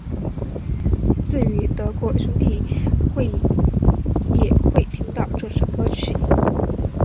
至于德国兄弟会也会听到这首歌曲。